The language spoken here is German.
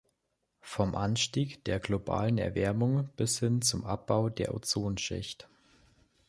Vom Anstieg der globalen Erwärmung bis hin zum Abbau der Ozonschicht.